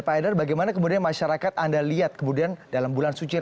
pak haidar bagaimana kemudian masyarakat anda lihat kemudian dalam bulan suci ramadan